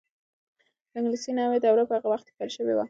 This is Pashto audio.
د انګلیسي نوې دوره په هغه وخت کې پیل شوې وه.